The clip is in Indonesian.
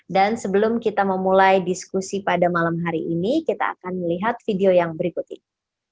dan sebelum kita memulai diskusi pada malam hari ini kita akan melihat video yang berikut ini